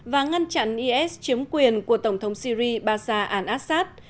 và ngăn chặn is chiếm quyền của tổng thống syri basa al assad